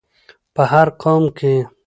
په هر قوم کې